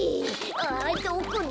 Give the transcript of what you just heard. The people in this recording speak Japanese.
あどこだ！